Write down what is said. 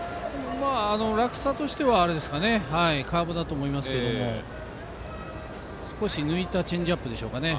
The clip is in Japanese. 落差としてはカーブだと思いますけど少し抜いたチェンジアップですかね。